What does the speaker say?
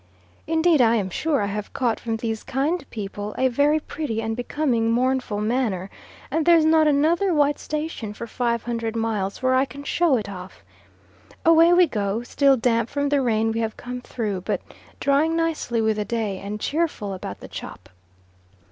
Indeed I am sure I have caught from these kind people a very pretty and becoming mournful manner, and there's not another white station for 500 miles where I can show it off. Away we go, still damp from the rain we have come through, but drying nicely with the day, and cheerful about the chop.